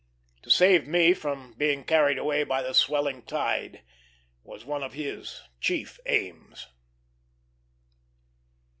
To save me from being carried away by the swelling tide was one of his chief aims.